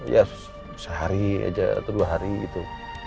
ya sehari aja atau dua hari gitu